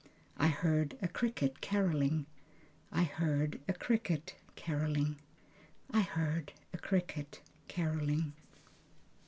I heard a cricket carolling, I heard a cricket carolling, I heard a cricket carolling.